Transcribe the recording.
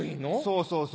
そうそうそう。